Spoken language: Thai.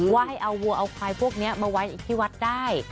ว่าให้เอาวัวเอาควายพวกนี้มาไว้ที่วัดได้